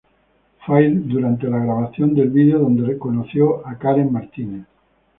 Fue ahí durante la grabación del video donde conoció a Karen Martínez.